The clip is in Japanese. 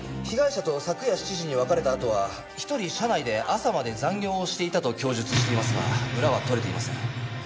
被害者と昨夜７時に別れたあとは１人社内で朝まで残業をしていたと供述していますが裏は取れていません。